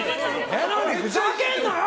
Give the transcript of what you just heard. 榎並、ふざけんなよ！